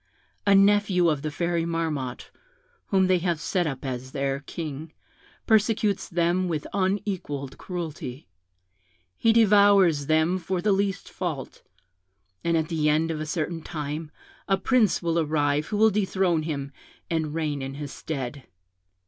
A nephew of the Fairy Marmotte, whom they have set up as their king, persecutes them with unequalled cruelty: he devours them for the least fault; and at the end of a certain time a prince will arrive who will dethrone him, and reign in his stead.